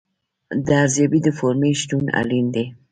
د ارزیابۍ د فورمې شتون اړین دی.